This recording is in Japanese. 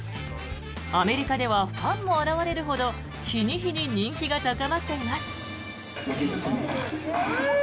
アメリカではファンも現れるほど日に日に人気が高まっています。